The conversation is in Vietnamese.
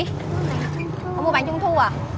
con mua bánh trung thu à